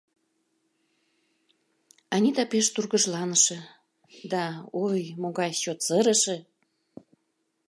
Анита пеш тургыжланыше, да, ой, могай чот сырыше.